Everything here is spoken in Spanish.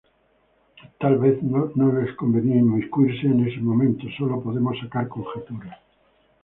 Tal vez no les convenía inmiscuirse en ese momento, sólo podemos sacar conjeturas.